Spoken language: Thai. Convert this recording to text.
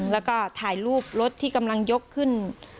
แล้วก็ถ่ายรูปรถที่กำลังยกขึ้น